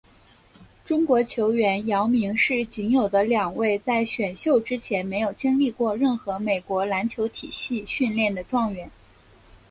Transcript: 中国球员姚明是仅有的两位在选秀之前没有经历过任何美国篮球体系训练的状元。